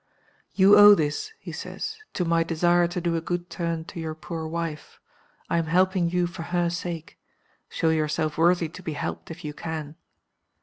'You owe this,' he says, 'to my desire to do a good turn to your poor wife. I am helping you for her sake. Show yourself worthy to be helped, if you can.